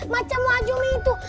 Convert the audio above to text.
macam wajum itu